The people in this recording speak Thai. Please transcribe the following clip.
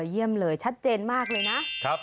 เยี่ยมเลยชัดเจนมากเลยนะ